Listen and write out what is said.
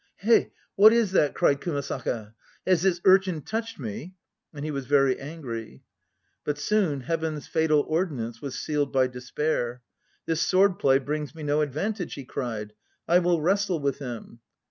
"Hey, what is that?" cried Kumasaka. "Has this urchin touched me?" And he was very angry. But soon Heaven's fatal ordinance was sealed by despair: iis sword play brings me no advantage," he cried; "I will wrestle uith him."